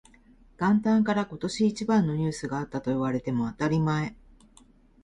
元旦から今年一番のニュースがあったと言われても当たり前